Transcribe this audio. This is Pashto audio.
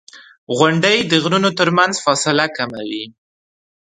• غونډۍ د غرونو ترمنځ فاصله کموي.